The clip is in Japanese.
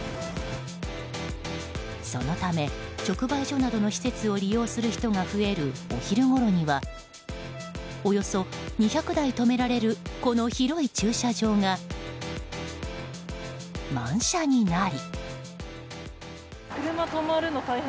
そのため、直売所などの施設を利用する人が増えるお昼ごろにはおよそ２００台止められるこの広い駐車場が満車になり。